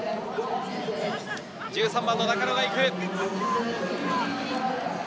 １３番の中野が行く。